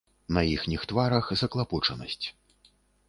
На іхніх тварах заклапочанасць.